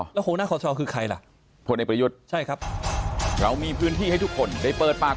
แล้วหัวหน้าคอสชคือใครล่ะ